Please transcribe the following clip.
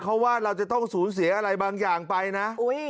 เขาว่าเราจะต้องสูญเสียอะไรบางอย่างไปนะ